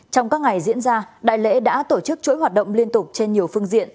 trong các ngày diễn ra đại lễ đã tổ chức chuỗi hoạt động liên tục trên nhiều phương diện